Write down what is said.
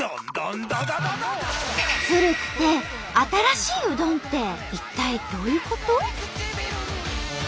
古くて新しいうどんって一体どういうこと？